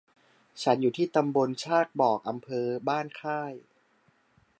ฉันอยู่ที่ตำบลชากบก อำเภอบ้านค่าย